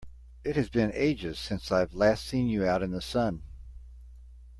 It has been ages since I've last seen you out in the sun!